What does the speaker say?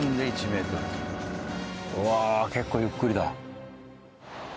うわ結構ゆっくりだ。